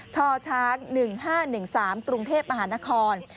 ชช๑๕๑๓กรุงเทพมหานคร